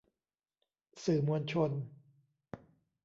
สื่อมวลชน